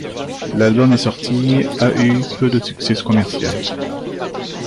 L'album est sorti, a eu peu de succès commercial.